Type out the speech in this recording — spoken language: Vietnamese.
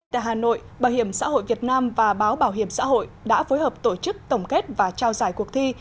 tại hà nội bảo hiểm xã hội việt nam và báo bảo hiểm xã hội đã phối hợp tổ chức tổng kết và trao giải cuộc thi